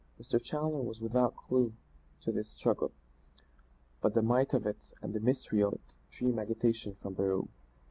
Mr. Challoner was without clew to this struggle, but the might of it and the mystery of it, drove him in extreme agitation from the room.